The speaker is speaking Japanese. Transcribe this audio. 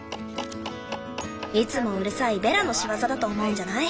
いつもうるさいベラの仕業だと思うんじゃない？